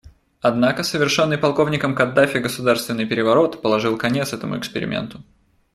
Однако совершенный полковником Каддафи государственный переворот положил конец этому эксперименту.